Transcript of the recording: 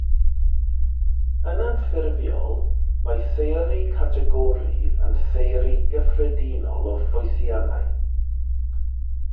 Yn anffurfiol, mae theori categori yn theori gyffredinol o ffwythiannau.